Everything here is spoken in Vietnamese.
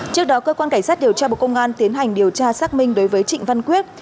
trước đó cơ quan cảnh sát điều tra bộ công an tiến hành điều tra xác minh đối với trịnh văn quyết